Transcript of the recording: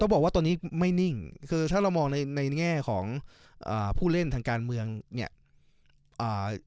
บอกว่าตอนนี้ไม่นิ่งคือถ้าเรามองในในแง่ของอ่าผู้เล่นทางการเมืองเนี่ยอ่า